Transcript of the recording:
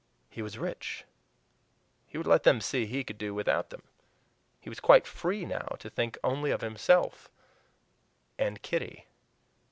He was rich: he would let them see HE could do without them. He was quite free now to think only of himself and Kitty.